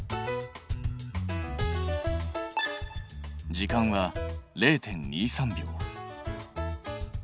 時間は０．２３秒。